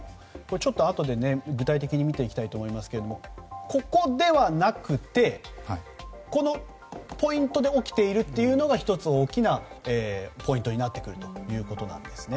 あとで具体的に見ていきたいと思いますがこのポイントで起きているというのが１つ大きなポイントになるということですね。